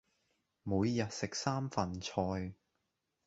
每日食三份菜